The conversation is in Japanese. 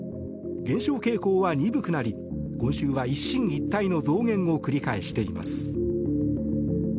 減少傾向は鈍くなり今週は一進一退の増減を繰り返しています。